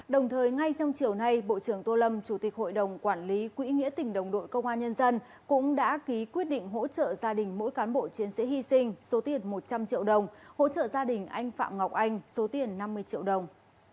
đồng thời ngay trong chiều nay bộ trưởng tô lâm chủ tịch hội đồng quản lý quỹ nghĩa tỉnh đồng đội công an nhân dân cũng đã ký quyết định hỗ trợ gia đình mỗi cán bộ chiến sĩ hy sinh số tiền một trăm linh triệu đồng hỗ trợ gia đình anh phạm ngọc anh số tiền năm mươi triệu đồng